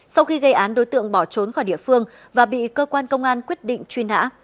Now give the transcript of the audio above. sau khi gây án đối tượng bỏ trốn khỏi địa phương và bị cơ quan công an quyết định truy nã